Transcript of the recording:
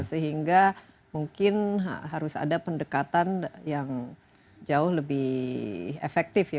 sehingga mungkin harus ada pendekatan yang jauh lebih efektif ya